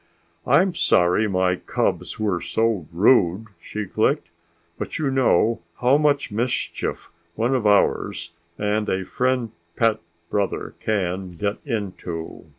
"I'm sorry my cubs were so rude," she clicked, "but you know how much mischief one of ours and a friend pet brother can get into."